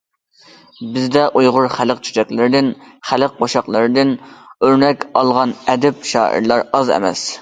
بىزدە ئۇيغۇر خەلق چۆچەكلىرىدىن، خەلق قوشاقلىرىدىن ئۆرنەك ئالغان ئەدىب، شائىرلار ئاز ئەمەس.